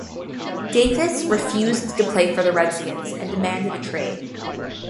Davis refused to play for the Redskins and demanded a trade.